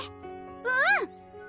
・うん！